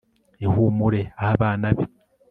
ihumure aha abana be